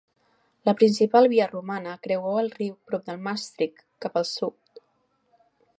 La principal via romana creuava el riu prop de Maastricht, cap al sud.